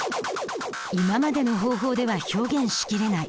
今までの方法では表現しきれない。